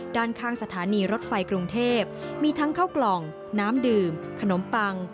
ด้านข้างสถานีรถไฟกรุงเทพมีทั้งข้าวกล่องน้ำดื่มขนมปัง